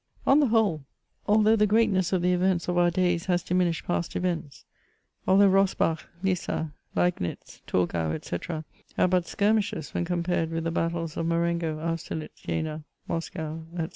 On the whole, although the greatness of the events of our days has diminished past events ; although Rosbach, Lissa, Liegnitz, Torgau, &c., are but skirmishes, when compared with the battles of Marengo, Austertitz, Jena, Moscow, &c.